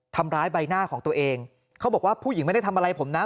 ทำร้ายใบหน้าของตัวเองเขาบอกว่าผู้หญิงไม่ได้ทำอะไรผมนะ